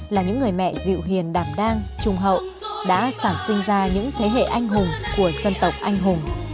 là những người mẹ diệu hiền đảm đang trung hậu đã sản sinh ra những thế hệ anh hùng của dân tộc anh hùng